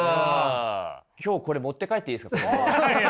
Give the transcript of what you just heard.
今日これ持って帰っていいですか？